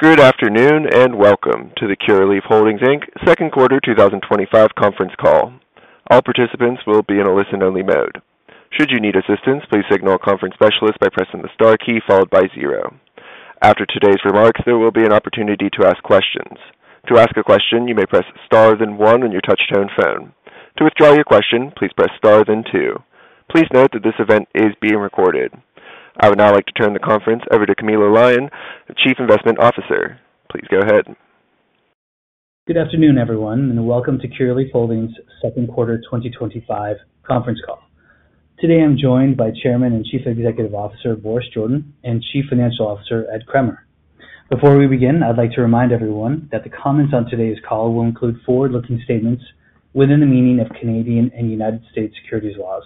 Good afternoon and welcome to the Curaleaf Holdings, Inc. second quarter 2025 conference call. All participants will be in a listen-only mode. Should you need assistance, please signal a conference specialist by pressing the star key followed by zero. After today's remarks, there will be an opportunity to ask questions. To ask a question, you may press star then one on your touch-tone phone. To withdraw your question, please press star then two. Please note that this event is being recorded. I would now like to turn the conference over to Camilo Lyon, Chief Investment Officer. Please go ahead. Good afternoon, everyone, and welcome to Curaleaf Holdings' second quarter 2025 conference call. Today, I'm joined by Chairman and Chief Executive Officer, Boris Jordan, and Chief Financial Officer, Ed Kremer. Before we begin, I'd like to remind everyone that the comments on today's call will include forward-looking statements within the meaning of Canadian and United States securities laws,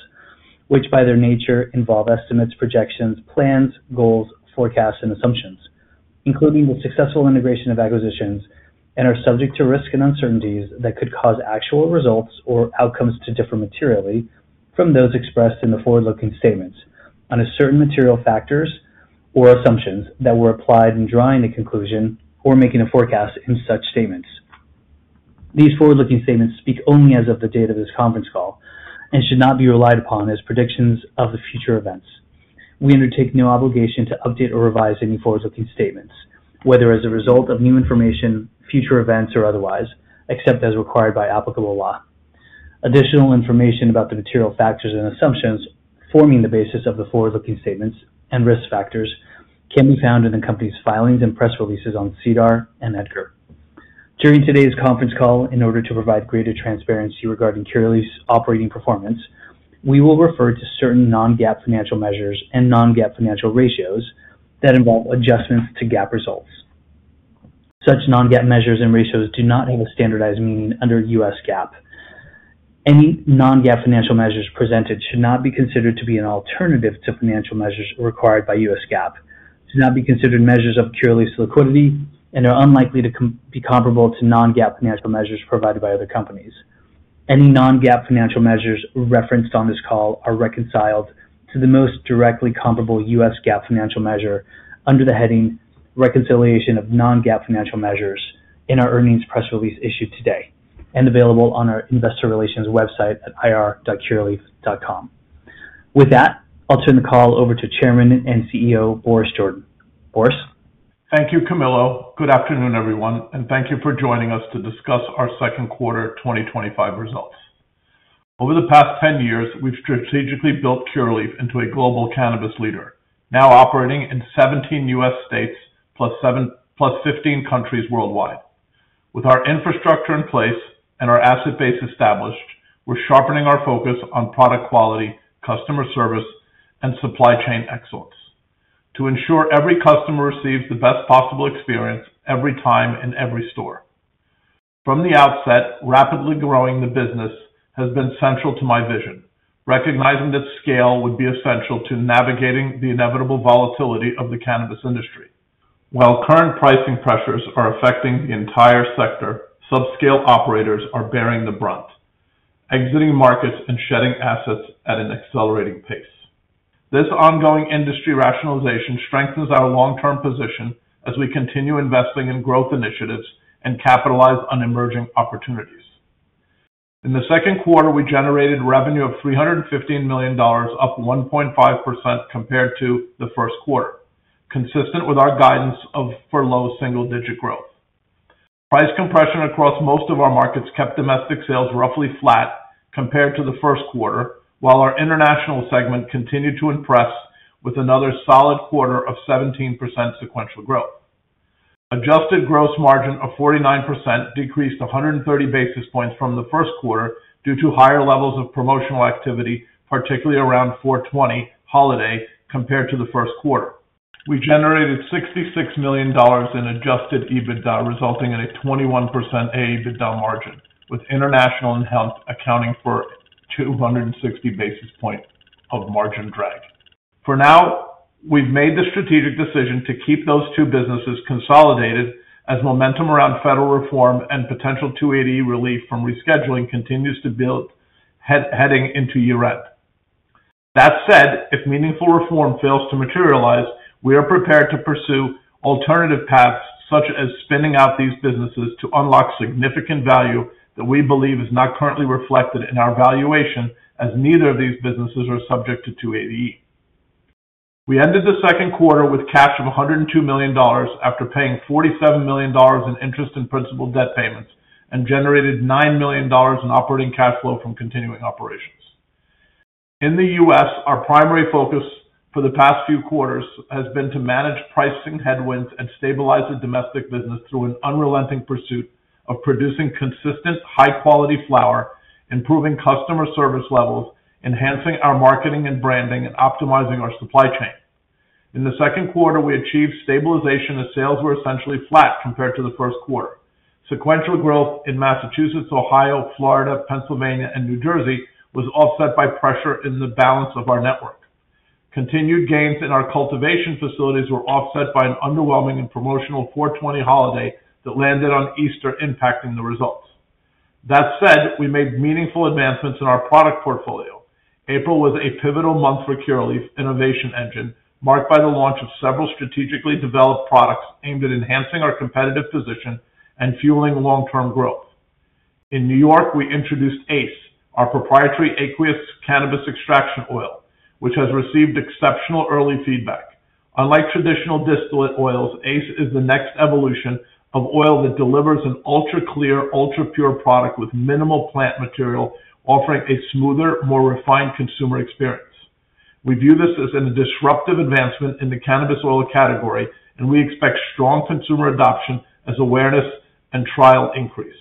which by their nature involve estimates, projections, plans, goals, forecasts, and assumptions, including the successful integration of acquisitions and are subject to risks and uncertainties that could cause actual results or outcomes to differ materially from those expressed in the forward-looking statements on certain material factors or assumptions that were applied in drawing a conclusion or making a forecast in such statements. These forward-looking statements speak only as of the date of this conference call and should not be relied upon as predictions of future events. We undertake no obligation to update or revise any forward-looking statements, whether as a result of new information, future events, or otherwise, except as required by applicable law. Additional information about the material factors and assumptions forming the basis of the forward-looking statements and risk factors can be found in the company's filings and press releases on SEDAR and EDGAR. During today's conference call, in order to provide greater transparency regarding Curaleaf's operating performance, we will refer to certain non-GAAP financial measures and non-GAAP financial ratios that involve adjustments to GAAP results. Such non-GAAP measures and ratios do not have a standardized meaning under U.S. GAAP. Any non-GAAP financial measures presented should not be considered to be an alternative to financial measures required by U.S. GAAP, should not be considered measures of Curaleaf's liquidity, and are unlikely to be comparable to non-GAAP financial measures provided by other companies. Any non-GAAP financial measures referenced on this call are reconciled to the most directly comparable U.S. GAAP financial measure under the heading "Reconciliation of Non-GAAP Financial Measures" in our earnings press release issued today and available on our Investor Relations website at ir.curaleaf.com. With that, I'll turn the call over to Chairman and CEO, Boris Jordan. Boris? Thank you, Camilo. Good afternoon, everyone, and thank you for joining us to discuss our second quarter 2025 results. Over the past 10 years, we've strategically built Curaleaf into a global cannabis leader, now operating in 17 U.S. states plus 15 countries worldwide. With our infrastructure in place and our asset base established, we're sharpening our focus on product quality, customer service, and supply chain excellence to ensure every customer receives the best possible experience every time in every store. From the outset, rapidly growing the business has been central to my vision, recognizing that scale would be essential to navigating the inevitable volatility of the cannabis industry. While current pricing pressures are affecting the entire sector, subscale operators are bearing the brunt, exiting markets and shedding assets at an accelerating pace. This ongoing industry rationalization strengthens our long-term position as we continue investing in growth initiatives and capitalize on emerging opportunities. In the second quarter, we generated revenue of $315 million, up 1.5% compared to the first quarter, consistent with our guidance for low single-digit growth. Price compression across most of our markets kept domestic sales roughly flat compared to the first quarter, while our international segment continued to impress with another solid quarter of 17% sequential growth. Adjusted gross margin of 49% decreased 130 basis points from the first quarter due to higher levels of promotional activity, particularly around the 4/20 holiday, compared to the first quarter. We generated $66 million in adjusted EBITDA, resulting in a 21% EBITDA margin, with international in-house accounting for 260 basis points of margin drag. For now, we've made the strategic decision to keep those two businesses consolidated as momentum around federal reform and potential 280E relief from rescheduling continues to build, heading into year end. That said, if meaningful reform fails to materialize, we are prepared to pursue alternative paths, such as spinning out these businesses to unlock significant value that we believe is not currently reflected in our valuation, as neither of these businesses are subject to 280E. We ended the second quarter with cash of $102 million after paying $47 million in interest and principal debt payments and generated $9 million in operating cash flow from continuing operations. In the U.S., our primary focus for the past few quarters has been to manage pricing headwinds and stabilize the domestic business through an unrelenting pursuit of producing consistent, high-quality flower, improving customer service levels, enhancing our marketing and branding, and optimizing our supply chain. In the second quarter, we achieved stabilization as sales were essentially flat compared to the first quarter. Sequential growth in Massachusetts, Ohio, Florida, Pennsylvania, and New Jersey was offset by pressure in the balance of our network. Continued gains in our cultivation facilities were offset by an underwhelming and promotional 4/20 holiday that landed on Easter, impacting the results. That said, we made meaningful advancements in our product portfolio. April was a pivotal month for Curaleaf's innovation engine, marked by the launch of several strategically developed products aimed at enhancing our competitive position and fueling long-term growth. In New York, we introduced ACE, our proprietary aqueous cannabis extraction oil, which has received exceptional early feedback. Unlike traditional distillate oils, ACE is the next evolution of oil that delivers an ultra-clear, ultra-pure product with minimal plant material, offering a smoother, more refined consumer experience. We view this as a disruptive advancement in the cannabis oil category, and we expect strong consumer adoption as awareness and trial increase.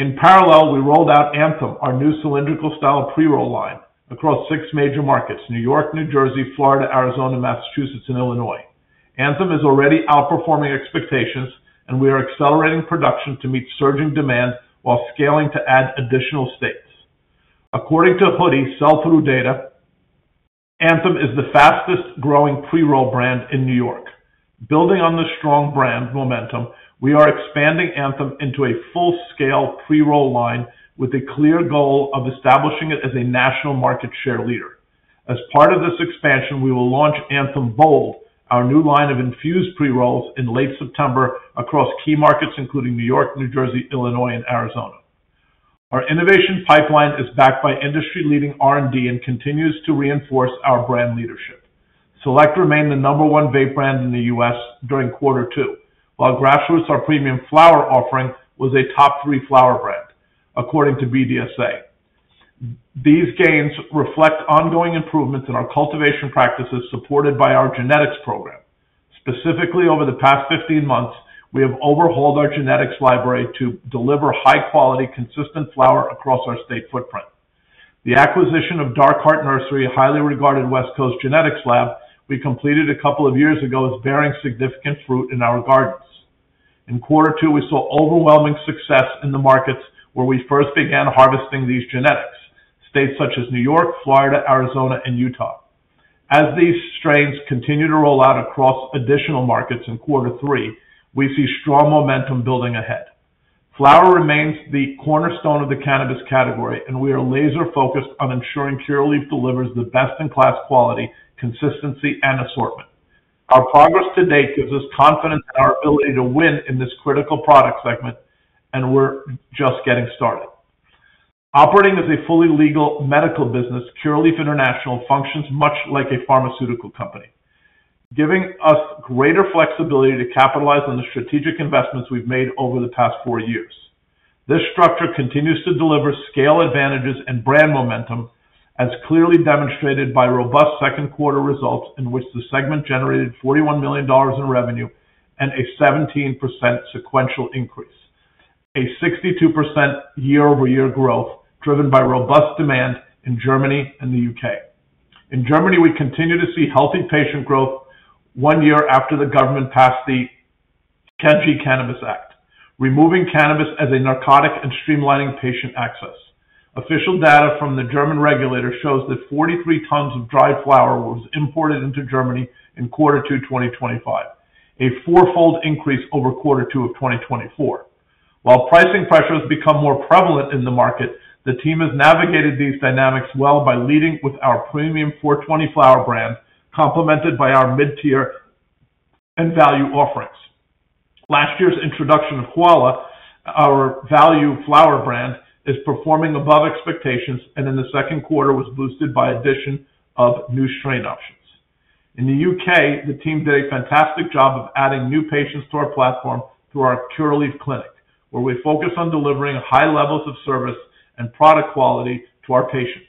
In parallel, we rolled out Anthem, our new cylindrical style pre-roll line, across six major markets: New York, New Jersey, Florida, Arizona, Massachusetts, and Illinois. Anthem is already outperforming expectations, and we are accelerating production to meet surging demand while scaling to add additional states. According to Headset sell-through data, Anthem is the fastest-growing pre-roll brand in New York. Building on the strong brand momentum, we are expanding Anthem into a full-scale pre-roll line with a clear goal of establishing it as a national market share leader. As part of this expansion, we will launch Anthem Bold, our new line of infused pre-rolls, in late September across key markets, including New York, New Jersey, Illinois, and Arizona. Our innovation pipeline is backed by industry-leading R&D and continues to reinforce our brand leadership. Select remained the number one vape brand in the U.S. during quarter two, while Grassroots, our premium flower offering, was a top three flower brand, according to BDSA. These gains reflect ongoing improvements in our cultivation practices supported by our genetics program. Specifically, over the past 15 months, we have overhauled our genetics library to deliver high-quality, consistent flower across our state footprint. The acquisition of Dark Heart Nursery, a highly regarded West Coast genetics lab we completed a couple of years ago, is bearing significant fruit in our gardens. In quarter two, we saw overwhelming success in the markets where we first began harvesting these genetics, states such as New York, Florida, Arizona, and Utah. As these strains continue to roll out across additional markets in quarter three, we see strong momentum building ahead. Flower remains the cornerstone of the cannabis category, and we are laser-focused on ensuring Curaleaf delivers the best-in-class quality, consistency, and assortment. Our progress to date gives us confidence in our ability to win in this critical product segment, and we're just getting started. Operating as a fully legal medical business, Curaleaf International functions much like a pharmaceutical company, giving us greater flexibility to capitalize on the strategic investments we've made over the past four years. This structure continues to deliver scale advantages and brand momentum, as clearly demonstrated by robust second-quarter results in which the segment generated $41 million in revenue and a 17% sequential increase, a 62% year-over-year growth driven by robust demand in Germany and the U.K. In Germany, we continue to see healthy patient growth one year after the government passed the CanG Cannabis Act, removing cannabis as a narcotic and streamlining patient access. Official data from the German regulator shows that 43 tons of dried flower will be imported into Germany in quarter two 2025, a fourfold increase over quarter two of 2024. While pricing pressures become more prevalent in the market, the team has navigated these dynamics well by leading with our premium 4/20 flower brand, complemented by our mid-tier and value offerings. Last year's introduction of Koala, our value flower brand, is performing above expectations and in the second quarter was boosted by the addition of new strain options. In the U.K., the team did a fantastic job of adding new patients to our platform through our Curaleaf Clinic, where we focus on delivering high levels of service and product quality to our patients.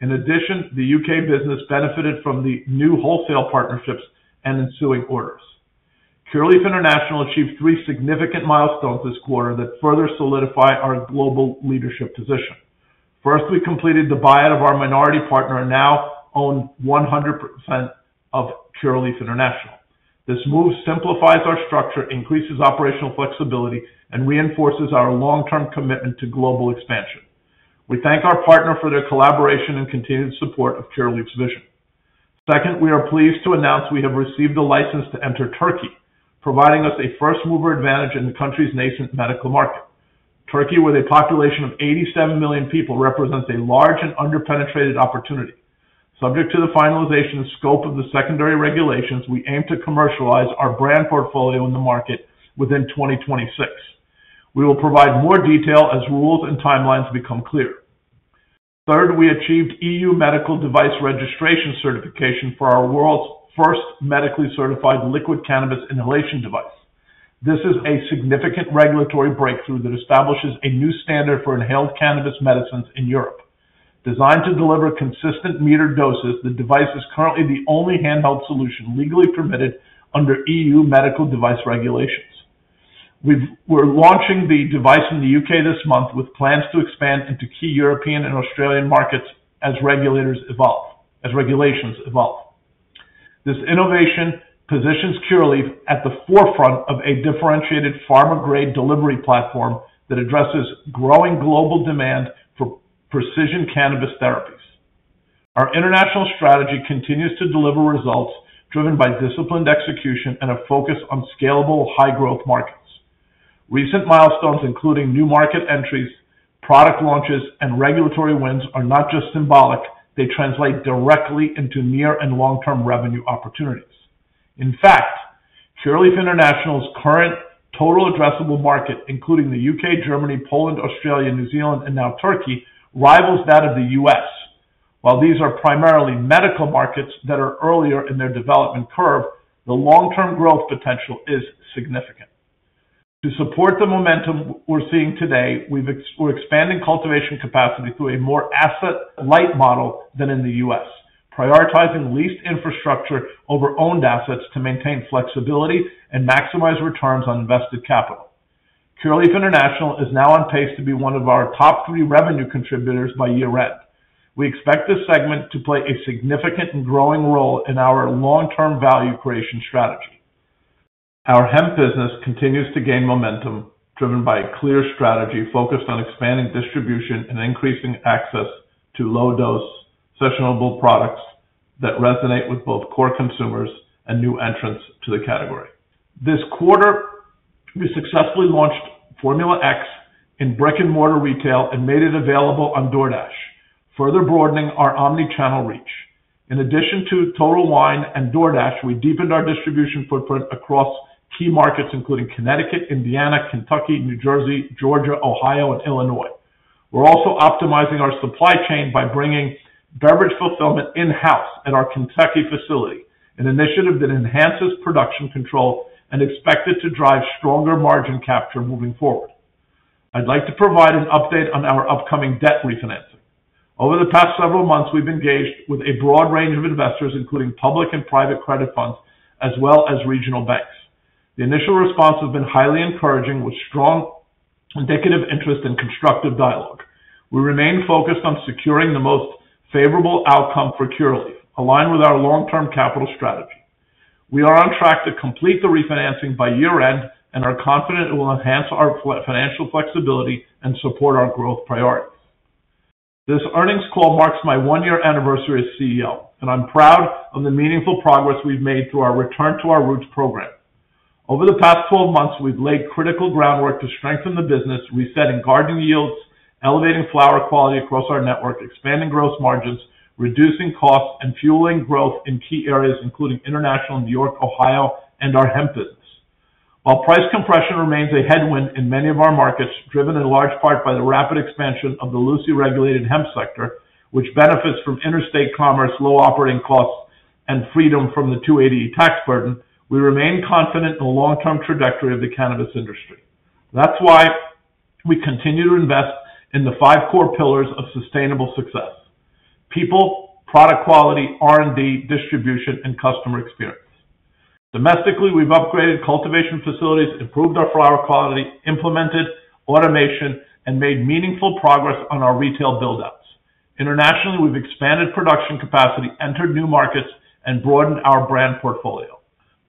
In addition, the U.K. business benefited from the new wholesale partnerships and ensuing orders. Curaleaf International achieved three significant milestones this quarter that further solidify our global leadership position. First, we completed the buyout of our minority partner and now own 100% of Curaleaf International. This move simplifies our structure, increases operational flexibility, and reinforces our long-term commitment to global expansion. We thank our partner for their collaboration and continued support of Curaleaf's vision. Second, we are pleased to announce we have received a license to enter Turkey, providing us a first-mover advantage in the country's nascent medical market. Turkey, with a population of 87 million people, represents a large and underpenetrated opportunity. Subject to the finalization scope of the secondary regulations, we aim to commercialize our brand portfolio in the market within 2026. We will provide more detail as rules and timelines become clear. Third, we achieved EU medical device registration certification for our world's first medically certified liquid cannabis inhalation device. This is a significant regulatory breakthrough that establishes a new standard for inhaled cannabis medicines in Europe. Designed to deliver consistent metered doses, the device is currently the only handheld solution legally permitted under EU medical device regulations. We're launching the device in the U.K. this month, with plans to expand into key European and Australian markets as regulations evolve. This innovation positions Curaleaf at the forefront of a differentiated pharma-grade delivery platform that addresses growing global demand for precision cannabis therapies. Our international strategy continues to deliver results driven by disciplined execution and a focus on scalable, high-growth markets. Recent milestones, including new market entries, product launches, and regulatory wins, are not just symbolic; they translate directly into near and long-term revenue opportunities. In fact, Curaleaf International's current total addressable market, including the U.K., Germany, Poland, Australia, New Zealand, and now Turkey, rivals that of the U.S. While these are primarily medical markets that are earlier in their development curve, the long-term growth potential is significant. To support the momentum we're seeing today, we're expanding cultivation capacity through a more asset-light model than in the U.S., prioritizing leased infrastructure over owned assets to maintain flexibility and maximize returns on invested capital. Curaleaf International is now on pace to be one of our top three revenue contributors by year end. We expect this segment to play a significant and growing role in our long-term value creation strategy. Our hemp business continues to gain momentum, driven by a clear strategy focused on expanding distribution and increasing access to low-dose, sessionable products that resonate with both core consumers and new entrants to the category. This quarter, we successfully launched FormulaX in brick-and-mortar retail and made it available on DoorDash, further broadening our omnichannel reach. In addition to Total Wine and DoorDash, we deepened our distribution footprint across key markets, including Connecticut, Indiana, Kentucky, New Jersey, Georgia, Ohio, and Illinois. We're also optimizing our supply chain by bringing beverage fulfillment in-house at our Kentucky facility, an initiative that enhances production control and is expected to drive stronger margin capture moving forward. I'd like to provide an update on our upcoming debt refinancing. Over the past several months, we've engaged with a broad range of investors, including public and private credit funds, as well as regional banks. The initial response has been highly encouraging, with strong indicative interest in constructive dialogue. We remain focused on securing the most favorable outcome for Curaleaf, aligned with our long-term capital strategy. We are on track to complete the refinancing by year end and are confident it will enhance our financial flexibility and support our growth priorities. This earnings call marks my one-year anniversary as CEO, and I'm proud of the meaningful progress we've made through our Return to Our Roots program. Over the past 12 months, we've laid critical groundwork to strengthen the business, resetting gardening yields, elevating flower quality across our network, expanding gross margins, reducing costs, and fueling growth in key areas, including international, New York, Ohio, and our hemp business. While price compression remains a headwind in many of our markets, driven in large part by the rapid expansion of the loosely regulated hemp sector, which benefits from interstate commerce, low operating costs, and freedom from the 280E tax burden, we remain confident in the long-term trajectory of the cannabis industry. That's why we continue to invest in the five core pillars of sustainable success: people, product quality, R&D, distribution, and customer experience. Domestically, we've upgraded cultivation facilities, improved our flower quality, implemented automation, and made meaningful progress on our retail buildouts. Internationally, we've expanded production capacity, entered new markets, and broadened our brand portfolio.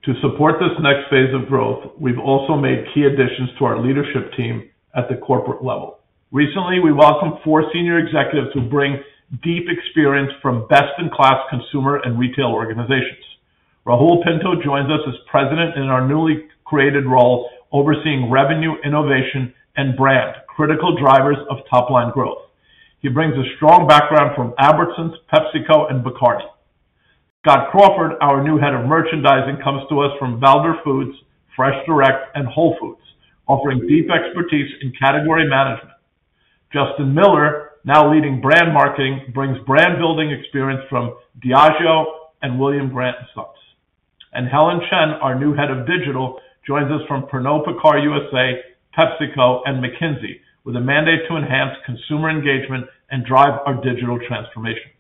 To support this next phase of growth, we've also made key additions to our leadership team at the corporate level. Recently, we welcomed four senior executives who bring deep experience from best-in-class consumer and retail organizations. Rahul Pinto joins us as President in our newly created role, overseeing revenue, innovation, and brand, critical drivers of top-line growth. He brings a strong background from Albertsons, PepsiCo, and Bacardi. Scott Crawford, our new Head of Merchandising, comes to us from Valor Foods, FreshDirect, and Whole Foods, offering deep expertise in category management. Justin Miller, now leading Brand Marketing, brings brand-building experience from Diageo and William Grant & Sons. Helen Chen, our new Head of Digital, joins us from Pernod Ricard USA, PepsiCo, and McKinsey, with a mandate to enhance consumer engagement and drive our digital transformation.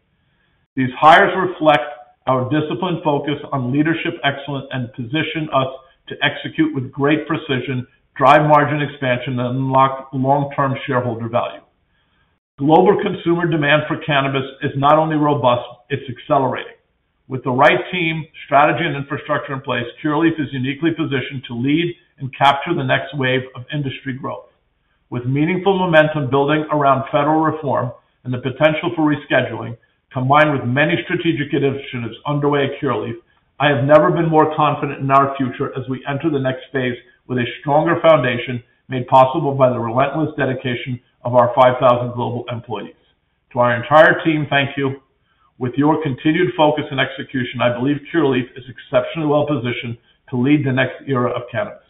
These hires reflect our disciplined focus on leadership excellence and position us to execute with great precision, drive margin expansion, and unlock long-term shareholder value. Global consumer demand for cannabis is not only robust, it's accelerating. With the right team, strategy, and infrastructure in place, Curaleaf is uniquely positioned to lead and capture the next wave of industry growth. With meaningful momentum building around federal reform and the potential for rescheduling, combined with many strategic initiatives underway at Curaleaf, I have never been more confident in our future as we enter the next phase with a stronger foundation made possible by the relentless dedication of our 5,000 global employees. To our entire team, thank you. With your continued focus and execution, I believe Curaleaf is exceptionally well-positioned to lead the next era of cannabis.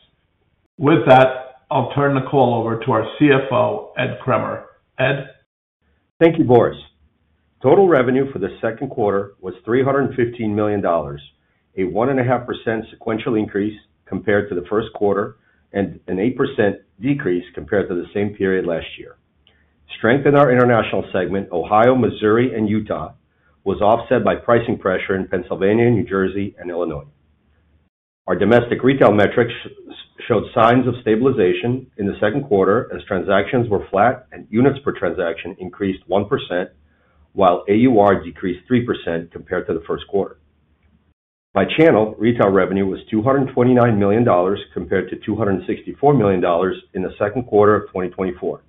With that, I'll turn the call over to our CFO, Ed Kremer. Ed? Thank you, Boris. Total revenue for the second quarter was $315 million, a 1.5% sequential increase compared to the first quarter and an 8% decrease compared to the same period last year. Strength in our international segment, Ohio, Missouri, and Utah, was offset by pricing pressure in Pennsylvania, New Jersey, and Illinois. Our domestic retail metrics showed signs of stabilization in the second quarter as transactions were flat and units per transaction increased 1%, while AUR decreased 3% compared to the first quarter. By channel, retail revenue was $229 million compared to $264 million in the second quarter of 2024,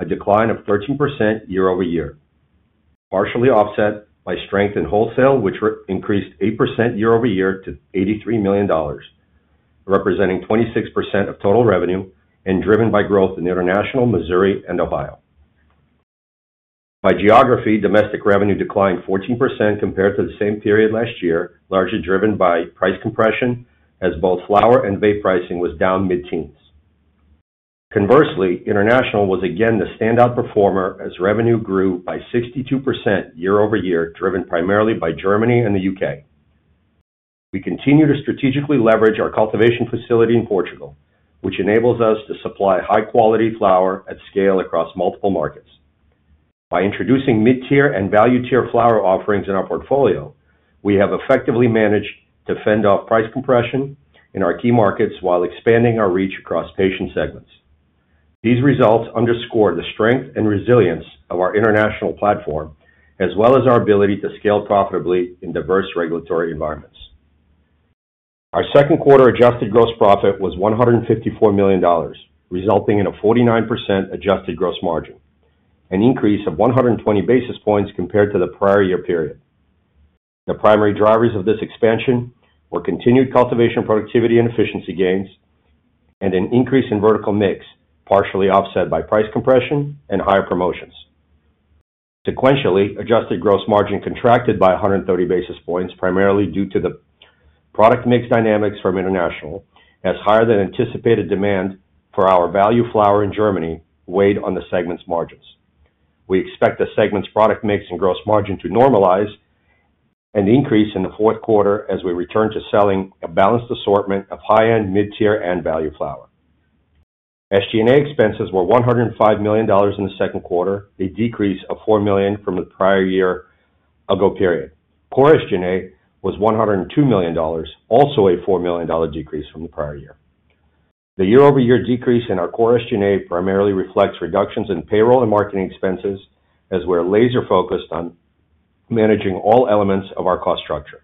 a decline of 13% year-over-year, partially offset by strength in wholesale, which increased 8% year-over-year to $83 million, representing 26% of total revenue and driven by growth in international, Missouri, and Ohio. By geography, domestic revenue declined 14% compared to the same period last year, largely driven by price compression as both flower and vape pricing were down mid-teens. Conversely, international was again the standout performer as revenue grew by 62% year-over-year, driven primarily by Germany and the U.K. We continue to strategically leverage our cultivation facility in Portugal, which enables us to supply high-quality flower at scale across multiple markets. By introducing mid-tier and value-tier flower offerings in our portfolio, we have effectively managed to fend off price compression in our key markets while expanding our reach across patient segments. These results underscore the strength and resilience of our international platform, as well as our ability to scale profitably in diverse regulatory environments. Our second quarter adjusted gross profit was $154 million, resulting in a 49% adjusted gross margin, an increase of 120 basis points compared to the prior year period. The primary drivers of this expansion were continued cultivation productivity and efficiency gains and an increase in vertical mix, partially offset by price compression and higher promotions. Sequentially, adjusted gross margin contracted by 130 basis points, primarily due to the product mix dynamics from international, as higher than anticipated demand for our value flower in Germany weighed on the segment's margins. We expect the segment's product mix and gross margin to normalize and increase in the fourth quarter as we return to selling a balanced assortment of high-end, mid-tier, and value flower. SG&A expenses were $105 million in the second quarter, a decrease of $4 million from the prior year-ago period. Core SG&A was $102 million, also a $4 million decrease from the prior year. The year-over-year decrease in our core SG&A primarily reflects reductions in payroll and marketing expenses, as we're laser-focused on managing all elements of our cost structure.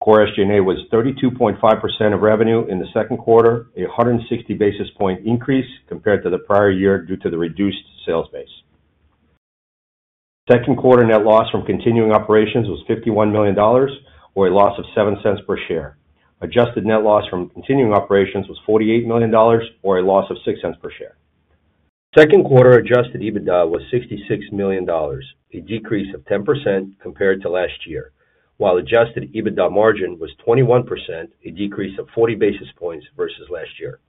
Core SG&A was 32.5% of revenue in the second quarter, a 160 basis point increase compared to the prior year due to the reduced sales base. Second quarter net loss from continuing operations was $51 million, or a loss of $0.07 per share. Adjusted net loss from continuing operations was $48 million, or a loss of $0.06 per share. Second quarter adjusted EBITDA was $66 million, a decrease of 10% compared to last year, while adjusted EBITDA margin was 21%, a decrease of 40 basis points versus last year.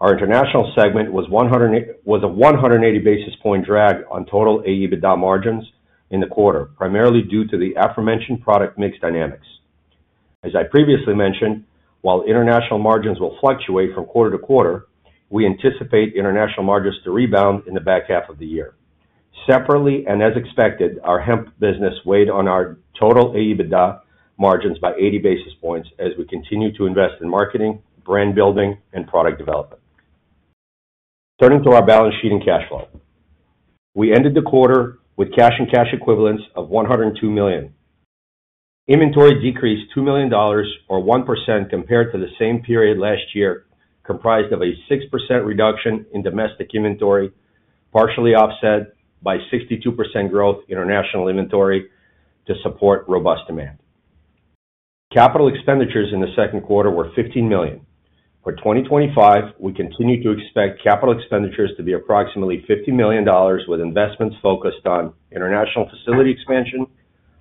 Our international segment was a 180 basis point drag on total EBITDA margins in the quarter, primarily due to the aforementioned product mix dynamics. As I previously mentioned, while international margins will fluctuate from quarter to quarter, we anticipate international margins to rebound in the back half of the year. Separately, and as expected, our hemp business weighed on our total EBITDA margins by 80 basis points as we continue to invest in marketing, brand building, and product development. Turning to our balance sheet and cash flow, we ended the quarter with cash and cash equivalents of $102 million. Inventory decreased $2 million, or 1% compared to the same period last year, comprised of a 6% reduction in domestic inventory, partially offset by 62% growth in international inventory to support robust demand. Capital expenditures in the second quarter were $15 million. For 2025, we continue to expect capital expenditures to be approximately $50 million, with investments focused on international facility expansion,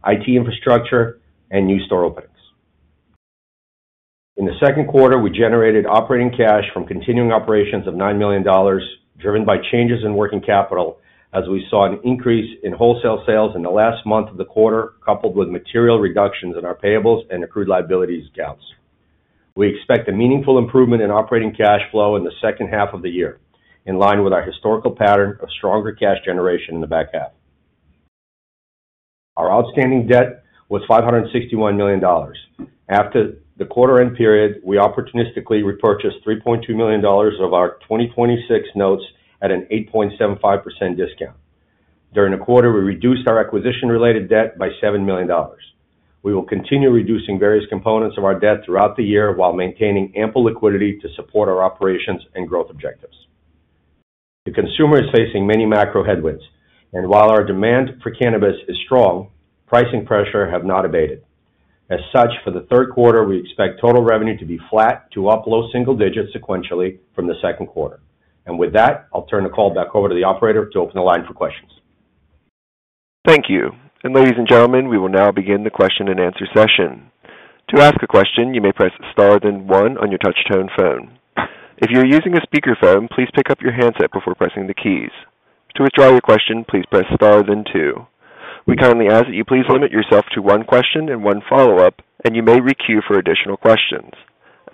IT infrastructure, and new store openings. In the second quarter, we generated operating cash from continuing operations of $9 million, driven by changes in working capital, as we saw an increase in wholesale sales in the last month of the quarter, coupled with material reductions in our payables and accrued liabilities accounts. We expect a meaningful improvement in operating cash flow in the second half of the year, in line with our historical pattern of stronger cash generation in the back half of the year. Our outstanding debt was $561 million. After the quarter-end period, we opportunistically repurchased $3.2 million of our 2026 notes at an 8.75% discount. During the quarter, we reduced our acquisition-related debt by $7 million. We will continue reducing various components of our debt throughout the year while maintaining ample liquidity to support our operations and growth objectives. The consumer is facing many macro headwinds, and while our demand for cannabis is strong, pricing pressures have not abated. For the third quarter, we expect total revenue to be flat to up low single digits sequentially from the second quarter. With that, I'll turn the call back over to the operator to open the line for questions. Thank you. Ladies and gentlemen, we will now begin the question and answer session. To ask a question, you may press star then one on your touch-tone phone. If you're using a speaker phone, please pick up your handset before pressing the keys. To withdraw your question, please press star then two. We kindly ask that you please limit yourself to one question and one follow-up, and you may re-queue for additional questions.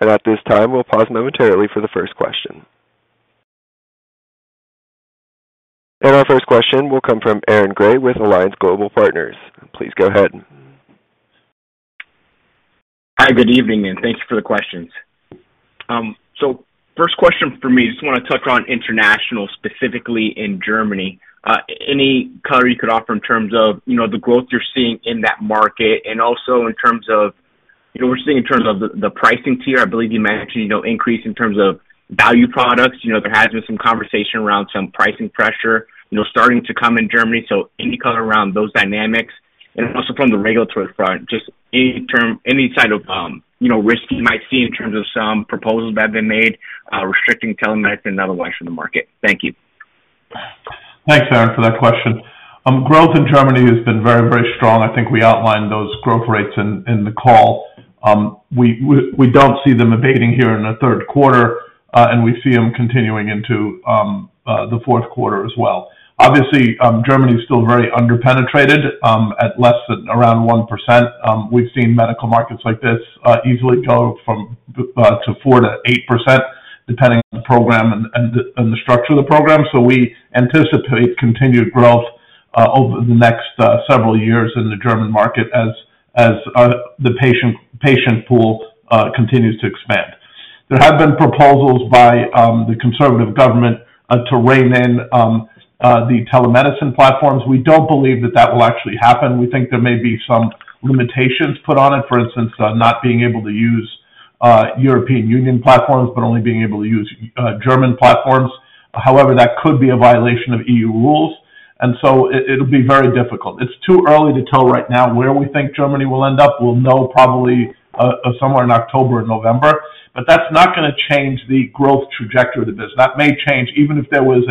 At this time, we'll pause momentarily for the first question. Our first question will come from Aaron Grey with Alliance Global Partners. Please go ahead. Hi, good evening, and thank you for the questions. First question for me, I just want to touch on international, specifically in Germany. Any color you could offer in terms of the growth you're seeing in that market and also in terms of what we're seeing in terms of the pricing tier? I believe you mentioned an increase in terms of value products. There has been some conversation around some pricing pressure starting to come in Germany. Any color around those dynamics? Also from the regulatory front, just any term, any side of risk you might see in terms of some proposals that have been made restricting telemedicine and otherwise from the market? Thank you. Thanks, Aaron, for that question. Growth in Germany has been very, very strong. I think we outlined those growth rates in the call. We do not see them abating here in the third quarter, and we see them continuing into the fourth quarter as well. Obviously, Germany is still very underpenetrated at less than around 1%. We have seen medical markets like this easily go from 4% to 8%, depending on the program and the structure of the program. We anticipate continued growth over the next several years in the German market as the patient pool continues to expand. There have been proposals by the conservative government to rein in the telemedicine platforms. We do not believe that that will actually happen. We think there may be some limitations put on it, for instance, not being able to use European Union platforms, but only being able to use German platforms. However, that could be a violation of EU rules, and it will be very difficult. It is too early to tell right now where we think Germany will end up. We will know probably somewhere in October or November, but that is not going to change the growth trajectory of the business. That may change even if there was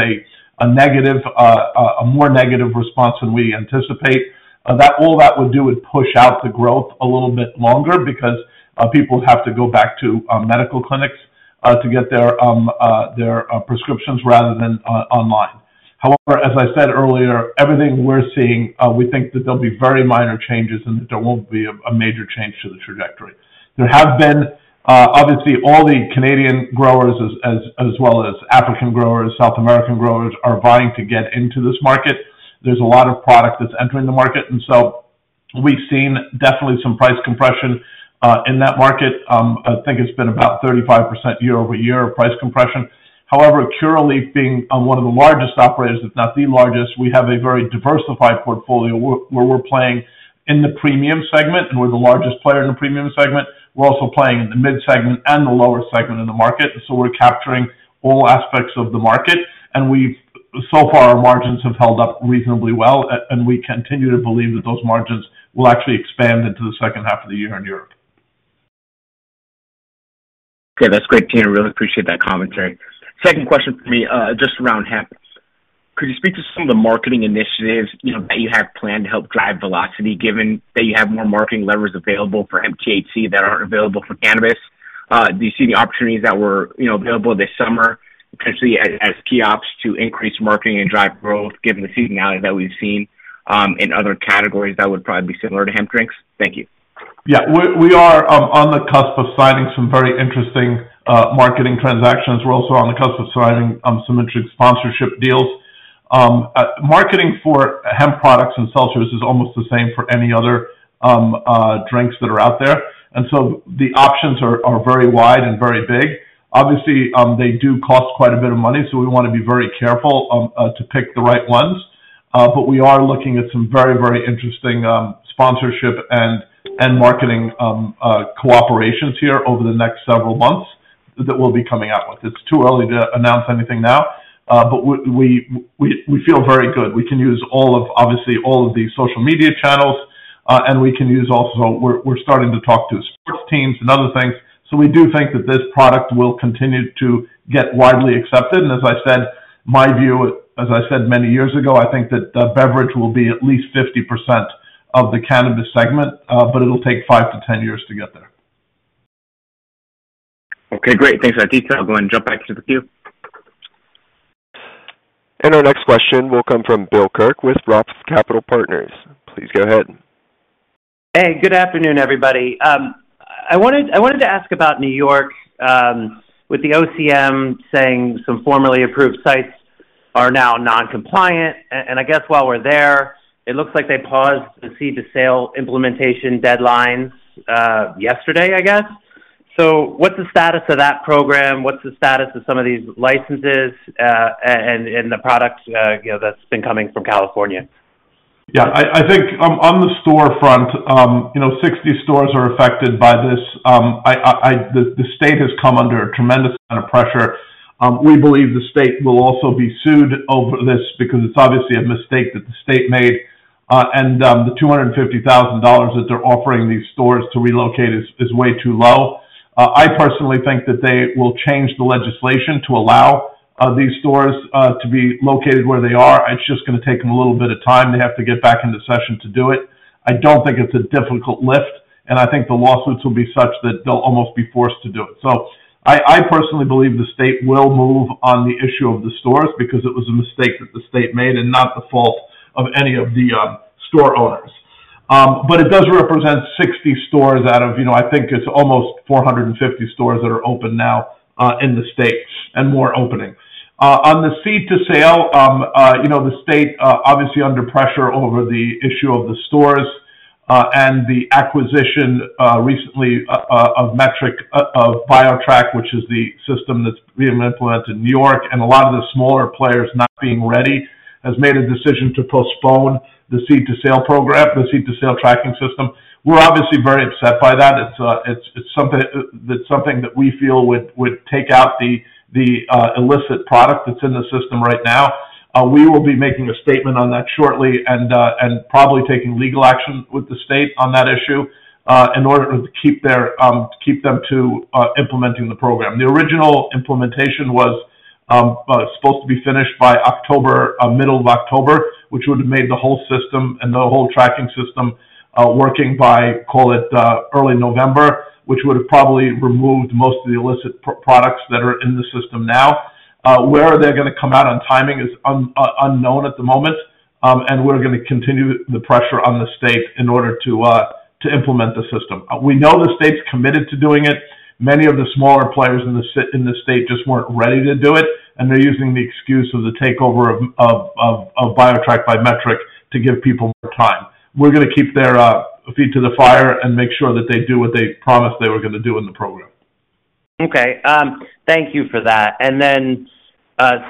a negative, a more negative response than we anticipate. All that would do would push out the growth a little bit longer because people would have to go back to medical clinics to get their prescriptions rather than online. However, as I said earlier, everything we are seeing, we think that there will be very minor changes and that there will not be a major change to the trajectory. There have been, obviously, all the Canadian growers, as well as African growers, South American growers are vying to get into this market. There is a lot of product that is entering the market, and we have seen definitely some price compression in that market. I think it has been about 35% year-over-year of price compression. However, Curaleaf being one of the largest operators, if not the largest, we have a very diversified portfolio where we are playing in the premium segment, and we are the largest player in the premium segment. We are also playing in the mid-segment and the lower segment in the market, so we are capturing all aspects of the market. So far, our margins have held up reasonably well, and we continue to believe that those margins will actually expand into the second half of the year in Europe. Great. That's great to hear. I really appreciate that commentary. Second question for me, just around hemp. Could you speak to some of the marketing initiatives that you have planned to help drive velocity, given that you have more marketing levers available for hemp THC that aren't available for cannabis? Do you see the opportunities that were available this summer potentially as key ops to increase marketing and drive growth, given the seasonality that we've seen in other categories that would probably be similar to hemp drinks? Thank you. Yeah, we are on the cusp of signing some very interesting marketing transactions. We're also on the cusp of signing some interesting sponsorship deals. Marketing for hemp products and seltzers is almost the same for any other drinks that are out there, and the options are very wide and very big. Obviously, they do cost quite a bit of money, so we want to be very careful to pick the right ones. We are looking at some very, very interesting sponsorship and marketing cooperations here over the next several months that we'll be coming out with. It's too early to announce anything now, but we feel very good. We can use all of, obviously, all of the social media channels, and we can use also, we're starting to talk to [Sixteens] and other things. We do think that this product will continue to get widely accepted. As I said, my view, as I said many years ago, I think that the beverage will be at least 50% of the cannabis segment, but it'll take five to 10 years to get there. Okay, great. Thanks, [Atita]. I'll go ahead and jump back into the queue. Our next question will come from Bill Kirk with ROTH Capital Partners. Please go ahead. Hey, good afternoon, everybody. I wanted to ask about New York, with the OCM saying some formerly approved sites are now non-compliant. While we're there, it looks like they paused the seed-to-sale implementation deadline yesterday. What's the status of that program? What's the status of some of these licenses and the product that's been coming from California? Yeah, I think on the storefront, you know, 60 stores are affected by this. The state has come under a tremendous amount of pressure. We believe the state will also be sued over this because it's obviously a mistake that the state made. The $250,000 that they're offering these stores to relocate is way too low. I personally think that they will change the legislation to allow these stores to be located where they are. It's just going to take them a little bit of time. They have to get back into session to do it. I don't think it's a difficult lift, and I think the lawsuits will be such that they'll almost be forced to do it. I personally believe the state will move on the issue of the stores because it was a mistake that the state made and not the fault of any of the store owners. It does represent 60 stores out of, you know, I think it's almost 450 stores that are open now in the state and more opening. On the seed-to-sale, you know, the state obviously is under pressure over the issue of the stores and the acquisition recently of Metrc of BioTrack, which is the system that's being implemented in New York. A lot of the smaller players not being ready has made a decision to postpone the seed-to-sale program, the seed-to-sale tracking system. We're obviously very upset by that. It's something that we feel would take out the illicit product that's in the system right now. We will be making a statement on that shortly and probably taking legal action with the state on that issue in order to keep them to implementing the program. The original implementation was supposed to be finished by October, middle of October, which would have made the whole system and the whole tracking system working by, call it, early November, which would have probably removed most of the illicit products that are in the system now. Where they're going to come out on timing is unknown at the moment, and we're going to continue the pressure on the state in order to implement the system. We know the state's committed to doing it. Many of the smaller players in the state just weren't ready to do it, and they're using the excuse of the takeover of BioTrack by Metrc to give people more time. We're going to keep their feet to the fire and make sure that they do what they promised they were going to do in the program. Okay, thank you for that.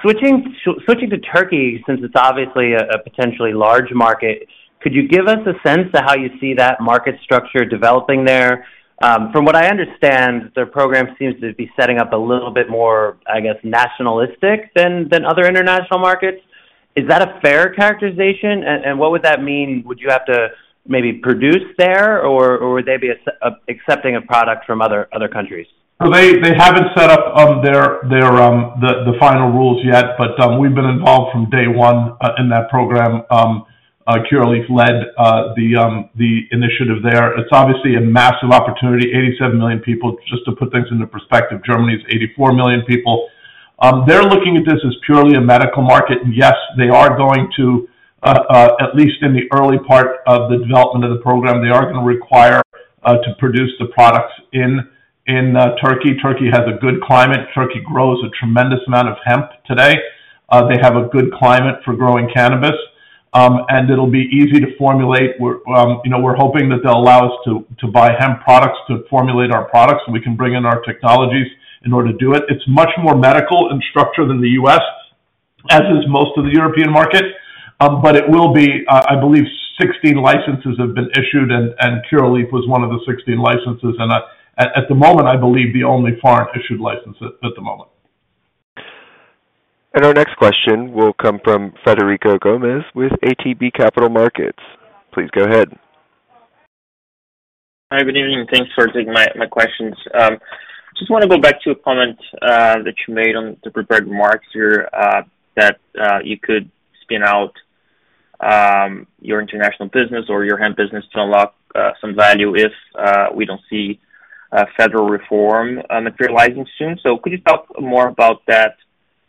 Switching to Turkey, since it's obviously a potentially large market, could you give us a sense of how you see that market structure developing there? From what I understand, their program seems to be setting up a little bit more, I guess, nationalistic than other international markets. Is that a fair characterization? What would that mean? Would you have to maybe produce there, or would they be accepting a product from other countries? They haven't set up the final rules yet, but we've been involved from day one in that program. Curaleaf led the initiative there. It's obviously a massive opportunity, 87 million people. Just to put things into perspective, Germany's 84 million people. They're looking at this as purely a medical market. Yes, they are going to, at least in the early part of the development of the program, require to produce the products in Turkey. Turkey has a good climate. Turkey grows a tremendous amount of hemp today. They have a good climate for growing cannabis, and it'll be easy to formulate. We're hoping that they'll allow us to buy hemp products to formulate our products so we can bring in our technologies in order to do it. It's much more medical in structure than the U.S., as is most of the European market. It will be, I believe, 16 licenses have been issued, and Curaleaf was one of the 16 licenses. At the moment, I believe the only foreign-issued license at the moment. Our next question will come from Frederico Gomes with ATB Capital Markets. Please go ahead. Hi, good evening. Thanks for taking my questions. I just want to go back to a comment that you made on the prepared remarks here that you could spin out your international business or your hemp business to unlock some value if we don't see federal reform materializing soon. Could you talk more about that?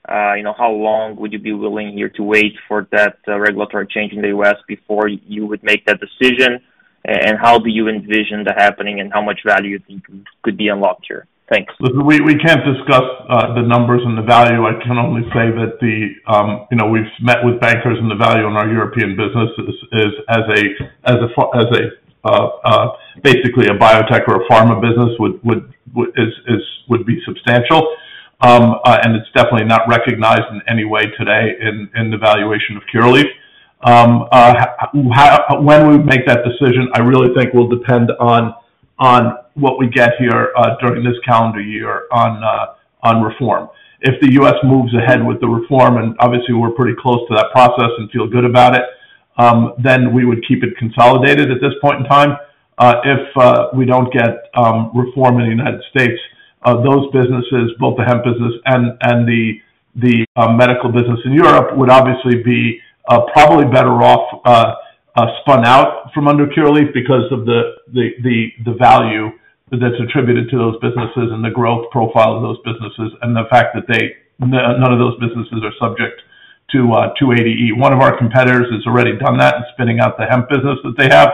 How long would you be willing here to wait for that regulatory change in the U.S. before you would make that decision? How do you envision that happening and how much value you think could be unlocked here? Thanks. We can't discuss the numbers and the value. I can only say that we've met with bankers, and the value in our European business is basically a biotech or a pharma business, would be substantial, and it's definitely not recognized in any way today in the valuation of Curaleaf. When we make that decision, I really think will depend on what we get here during this calendar year on reform. If the U.S. moves ahead with the reform, and obviously we're pretty close to that process and feel good about it, then we would keep it consolidated at this point in time. If we don't get reform in the United States, those businesses, both the hemp business and the medical business in Europe, would obviously be probably better off spun out from under Curaleaf because of the value that's attributed to those businesses and the growth profile of those businesses and the fact that none of those businesses are subject to 280E. One of our competitors has already done that in spinning out the hemp business that they have.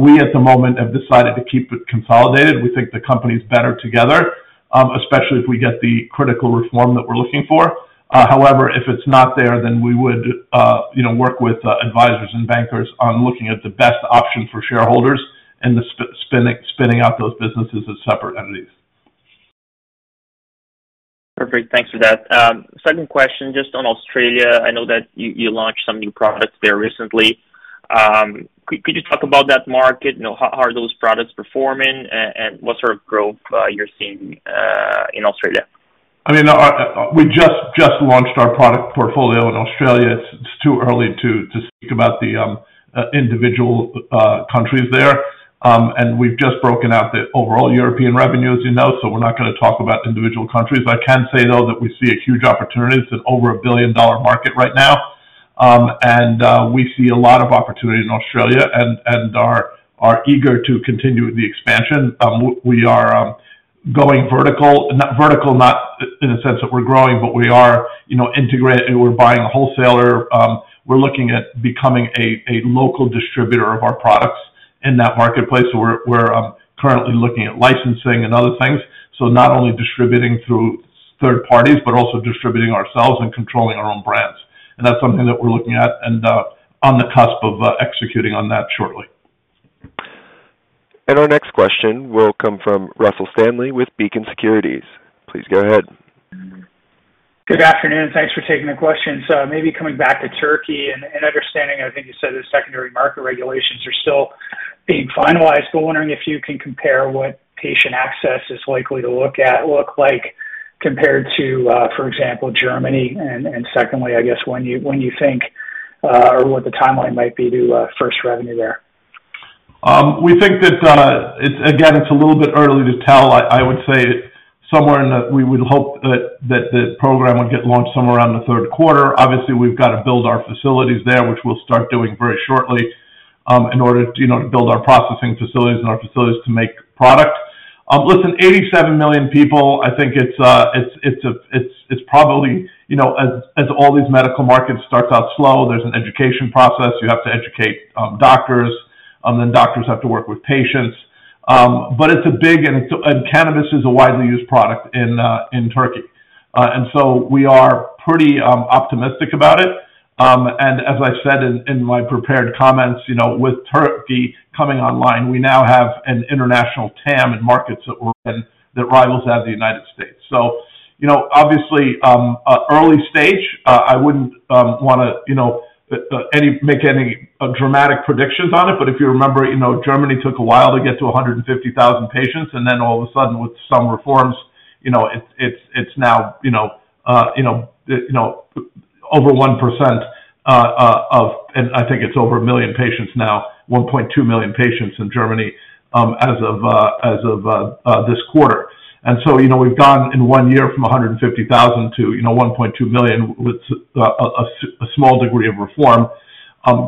We, at the moment, have decided to keep it consolidated. We think the company's better together, especially if we get the critical reform that we're looking for. However, if it's not there, then we would work with advisors and bankers on looking at the best option for shareholders and spinning out those businesses as separate entities. Perfect. Thanks for that. Second question, just on Australia. I know that you launched some new products there recently. Could you talk about that market? How are those products performing, and what sort of growth you're seeing in Australia? I mean, we just launched our product portfolio in Australia. It's too early to speak about the individual countries there. We've just broken out the overall European revenue, as you know, so we're not going to talk about individual countries. I can say, though, that we see a huge opportunity. It's an over $1 billion market right now, and we see a lot of opportunity in Australia and are eager to continue the expansion. We are going vertical, not vertical, not in the sense that we're growing, but we are integrating. We're buying a wholesaler. We're looking at becoming a local distributor of our products in that marketplace. We're currently looking at licensing and other things. Not only distributing through third-parties, but also distributing ourselves and controlling our own brands. That's something that we're looking at and on the cusp of executing on that shortly. Our next question will come from Russell Stanley with Beacon Securities. Please go ahead. Good afternoon. Thanks for taking the questions. Maybe coming back to Turkey and understanding, I think you said the secondary market regulations are still being finalized. Wondering if you can compare what patient access is likely to look like compared to, for example, Germany. Secondly, I guess when you think or what the timeline might be to first revenue there. We think that it's on a, again, it's a little bit early to tell. I would say somewhere in the, we would hope that the program would get launched somewhere around the third quarter. Obviously, we've got to build our facilities there, which we'll start doing very shortly in order to build our processing facilities and our facilities to make product. Listen, 87 million people, I think it's probably, you know, as all these medical markets start to slow, there's an education process. You have to educate doctors, and then doctors have to work with patients. It's a big, and cannabis is a widely used product in Turkey. We are pretty optimistic about it. As I've said in my prepared comments, you know, with Turkey coming online, we now have an international TAM and market that rivals that of the United States. Obviously, early stage, I wouldn't want to, you know, make any dramatic predictions on it. If you remember, you know, Germany took a while to get to 150,000 patients, and then all of a sudden, with some reforms, you know, it's now, you know, over 1% of, and I think it's over 1 million patients now, 1.2 million patients in Germany as of this quarter. We've gone in one year from 150,000 to, you know, 1.2 million with a small degree of reform.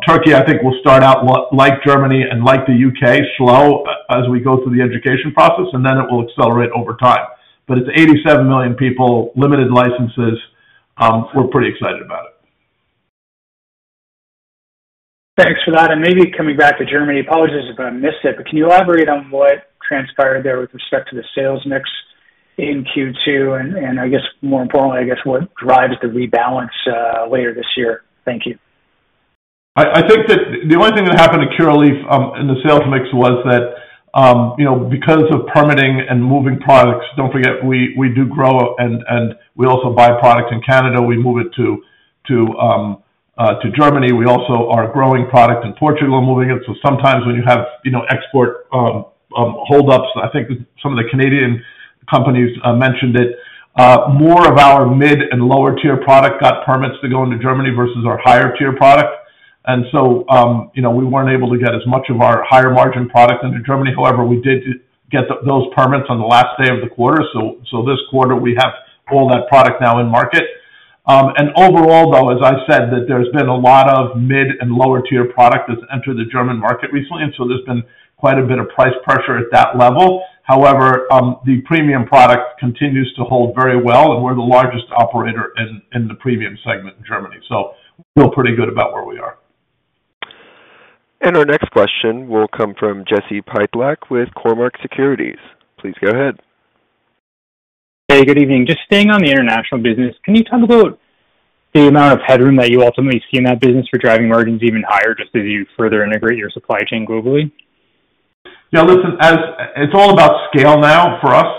Turkey, I think, will start out like Germany and like the U.K., slow as we go through the education process, and then it will accelerate over time. It's 87 million people, limited licenses. We're pretty excited about it. Thanks for that. Maybe coming back to Germany, apologies if I missed it, but can you elaborate on what transpired there with respect to the sales mix in Q2? More importantly, what drives the rebalance later this year? Thank you. I think that the only thing that happened to Curaleaf in the sales mix was that, you know, because of permitting and moving products, don't forget we do grow and we also buy products in Canada. We move it to Germany. We also are growing product in Portugal and moving it. Sometimes when you have export holdups, I think some of the Canadian companies mentioned it, more of our mid and lower tier product got permits to go into Germany versus our higher tier product. We weren't able to get as much of our higher margin product into Germany. However, we did get those permits on the last day of the quarter. This quarter, we have all that product now in market. Overall, though, as I said, there's been a lot of mid and lower tier product that's entered the German market recently. There's been quite a bit of price pressure at that level. However, the premium product continues to hold very well. We're the largest operator in the premium segment in Germany. We're pretty good about where we are. Our next question will come from Jesse Pytlak with Cormark Securities. Please go ahead. Hey, good evening. Just staying on the international business, can you talk about the amount of headroom that you ultimately see in that business for driving margins even higher just as you further integrate your supply chain globally? Yeah, listen, it's all about scale now for us.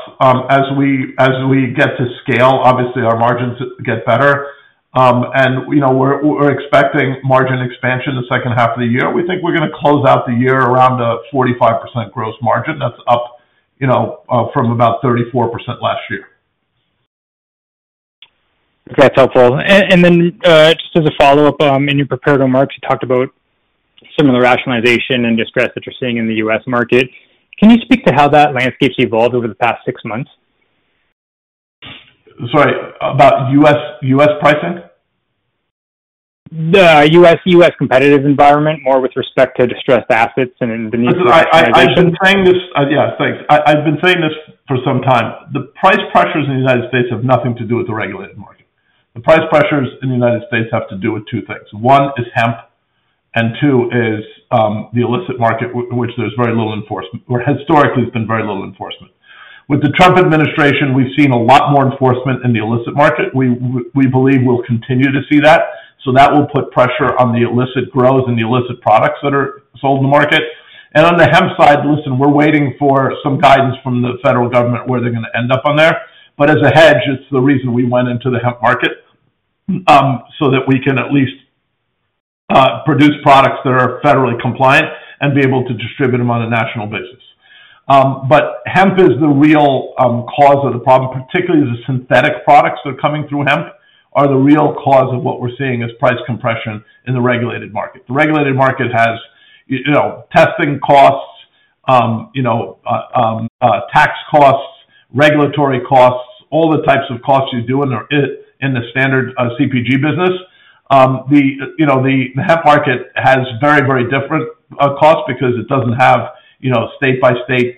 As we get to scale, obviously our margins get better. We're expecting margin expansion the second half of the year. We think we're going to close out the year around a 45% gross margin, that's up from about 34% last year. Okay, that's helpful. Just as a follow-up, in your prepared remarks, you talked about some of the rationalization and distress that you're seeing in the U.S. market. Can you speak to how that landscape's evolved over the past six months? Sorry, about U.S. pricing? The U.S. competitive environment, more with respect to distressed assets and the need for. I've been saying this for some time. The price pressures in the United States have nothing to do with the regulated market. The price pressures in the United States have to do with two things. One is hemp, and two is the illicit market, in which there's very little enforcement, or historically there's been very little enforcement. With the Trump administration, we've seen a lot more enforcement in the illicit market. We believe we'll continue to see that. That will put pressure on the illicit grows and the illicit products that are sold in the market. On the hemp side, we're waiting for some guidance from the federal government where they're going to end up on that. As a hedge, it's the reason we went into the hemp market so that we can at least produce products that are federally compliant and be able to distribute them on a national basis. Hemp is the real cause of the problem, particularly the synthetic products that are coming through hemp are the real cause of what we're seeing as price compression in the regulated market. The regulated market has testing costs, tax costs, regulatory costs, all the types of costs you do in the standard CPG business. The hemp market has very, very different costs because it doesn't have state-by-state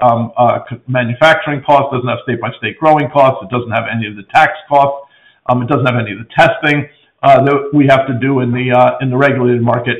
manufacturing costs, doesn't have state-by-state growing costs, it doesn't have any of the tax costs, it doesn't have any of the testing that we have to do in the regulated market.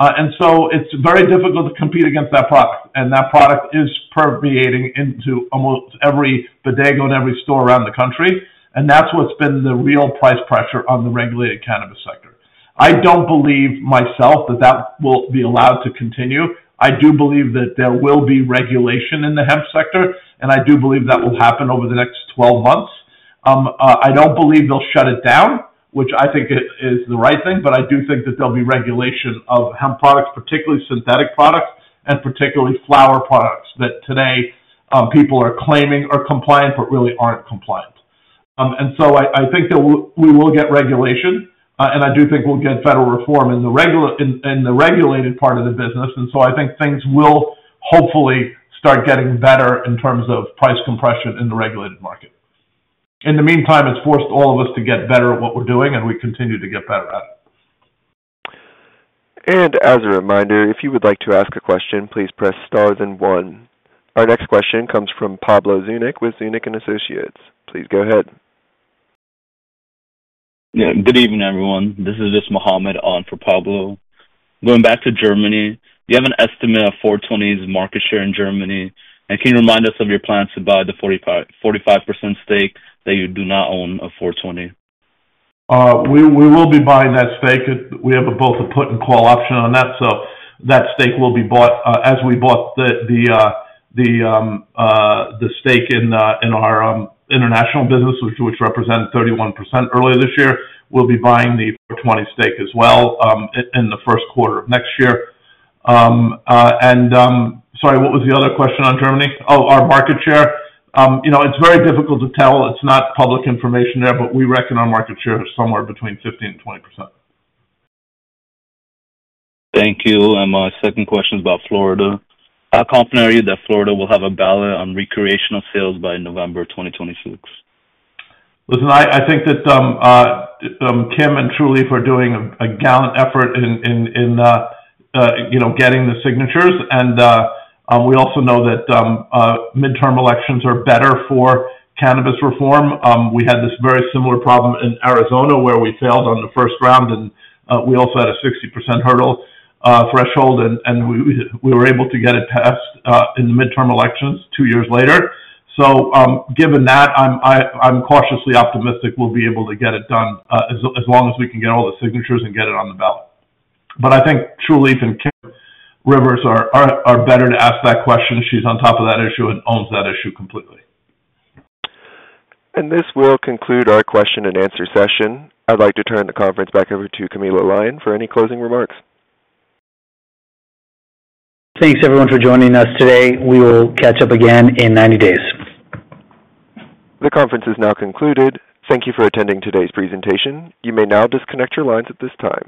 It's very difficult to compete against that product. That product is permeating into almost every bodega and every store around the country. That's what's been the real price pressure on the regulated cannabis sector. I don't believe myself that that will be allowed to continue. I do believe that there will be regulation in the hemp sector, and I do believe that will happen over the next 12 months. I don't believe they'll shut it down, which I think is the right thing, but I do think that there'll be regulation of hemp products, particularly synthetic products, and particularly flower products that today people are claiming are compliant but really aren't compliant. I think that we will get regulation, and I do think we'll get federal reform in the regulated part of the business. I think things will hopefully start getting better in terms of price compression in the regulated market. In the meantime, it's forced all of us to get better at what we're doing, and we continue to get better at it. As a reminder, if you would like to ask a question, please press star then one. Our next question comes from Pablo Zuanic with Zuanic & Associates. Please go ahead. Yeah, good evening, everyone. This is just Mohammed on for Pablo. Going back to Germany, do you have an estimate of 4/20's market share in Germany? Can you remind us of your plans to buy the 45% stake that you do not own of 4/20? We will be buying that stake. We have both a put and call option on that. That stake will be bought as we bought the stake in our international business, which represented 31% earlier this year. We'll be buying the 4/20 stake as well in the first quarter of next year. Sorry, what was the other question on Germany? Oh, our market share. It's very difficult to tell. It's not public information there, but we reckon our market share is somewhere between 15% and 20%. Thank you. My second question is about Florida. How confident are you that Florida will have a ballot on recreational sales by November 2026? Listen, I think that Kim and Trulieve are doing a gallant effort in getting the signatures. We also know that midterm elections are better for cannabis reform. We had this very similar problem in Arizona where we failed on the first round, and we also had a 60% hurdle threshold, and we were able to get it passed in the midterm elections two years later. Given that, I'm cautiously optimistic we'll be able to get it done as long as we can get all the signatures and get it on the ballot. I think Trulieve and Kim Rivers are better to ask that question. She's on top of that issue and owns that issue completely. This will conclude our question and answer session. I'd like to turn the conference back over to Camilo Lyon for any closing remarks. Thanks, everyone, for joining us today. We will catch up again in 90 days. The conference is now concluded. Thank you for attending today's presentation. You may now disconnect your lines at this time.